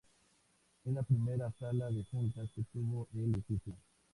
Es la primera Sala de Juntas que tuvo el edificio.